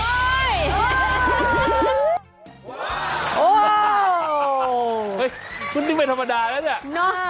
เฮ้ยคุณนี่ไม่ธรรมดานะเนี่ย